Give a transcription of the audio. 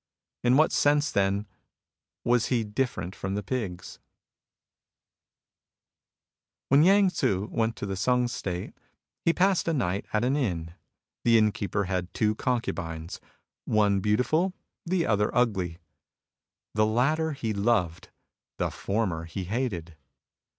In what sense, then, was he different from the pigs ? When Yang Tzu went to the Sung State, he passed a night at an inn. The innkeeper had two concubines — one beautiful, the other ugly. The latter he loved ; the former he hated.